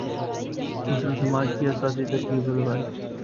مسلم سماج کی اساسی ترکیب روایتی ہے۔